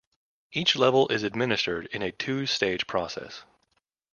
Each level is administered in a two-stage process.